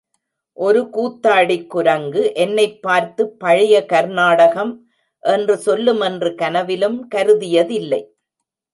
ஒரு கூத்தாடிக் குரங்கு என்னைப் பார்த்து பழைய கர்நாடகம் என்று சொல்லுமென்று கனவிலும் கருதியதில்லை.